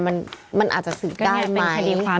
มันอาจจะสืบได้ไหม